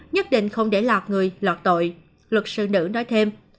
nhất định không để lọt người lọt tội luật sư nữ nói thêm